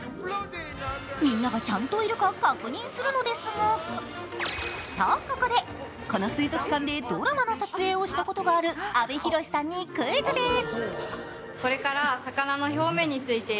みんながちゃんといるか確認するのですがと、ここでこの水族館でドラマの撮影をしたことがある阿部寛さんにクイズです。